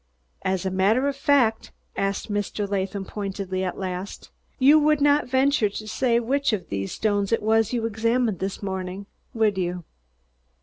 "As a matter of fact," asked Mr. Latham pointedly at last, "you would not venture to say which of those stones it was you examined this morning, would you?"